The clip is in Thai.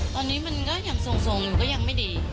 ตอนนี้มันก็ยังทรงอยู่ก็ยังไม่ดี